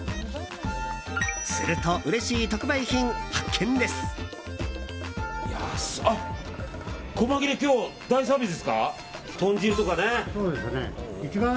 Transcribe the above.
すると、うれしい特売品発見です。